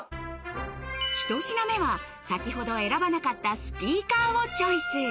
１品目は先ほど選ばなかったスピーカーをチョイス